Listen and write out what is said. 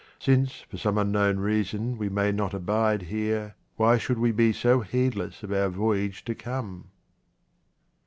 Since for some unknown reason we may not abide here, why should we be so heedless of our voyage to come